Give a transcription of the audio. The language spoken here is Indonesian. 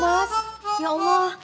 mas mas ya allah